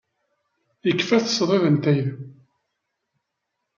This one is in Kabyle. Yekfa-t ṣṣdid n tayri.